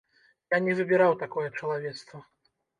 Я не выбіраў такое чалавецтва.